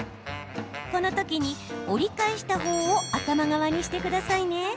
このときに、折り返したほうを頭側にしてくださいね。